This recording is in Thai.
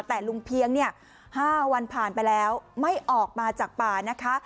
แต่ลุงเพียงเนี่ย๕วันผ่านไปแล้วไม่ออกมาจากป่านะคะ